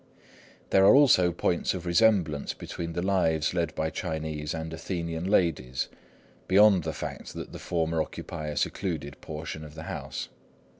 There are also points of resemblance between the lives led by Chinese and Athenian ladies, beyond the fact that the former occupy a secluded portion of the house.